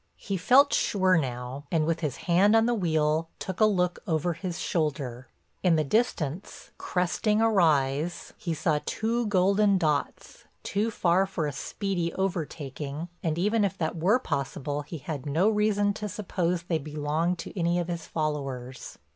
He felt sure now, and with his hand on the wheel took a look over his shoulder. In the distance, cresting a rise, he saw two golden dots, too far for a speedy overtaking, and even if that were possible he had no reason to suppose they belonged to any of his followers.